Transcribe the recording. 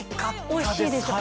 おいしいでしょ？